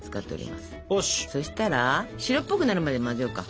そしたら白っぽくなるまで混ぜようか。